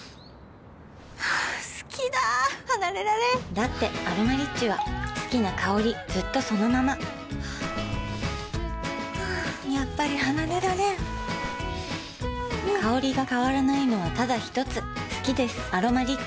好きだ離れられんだって「アロマリッチ」は好きな香りずっとそのままやっぱり離れられん香りが変わらないのはただひとつ好きです「アロマリッチ」